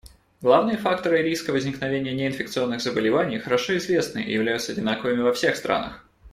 Главные факторы риска возникновения неинфекционных заболеваний хорошо известны и являются одинаковыми во всех странах.